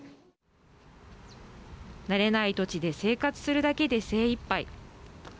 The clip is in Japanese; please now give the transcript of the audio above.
慣れない土地で生活するだけで精いっぱい。